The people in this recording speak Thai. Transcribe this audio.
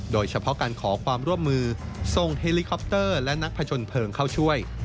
โดยเฉพาะการขอความร่วมมือส่งเฮลิคอปเตอร์และนักผจญเพลิงเข้าช่วย